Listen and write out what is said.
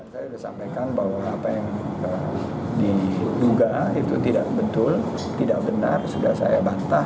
saya sudah sampaikan bahwa apa yang diduga itu tidak betul tidak benar sudah saya bantah